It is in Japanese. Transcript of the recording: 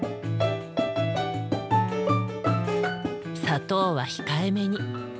砂糖は控えめに。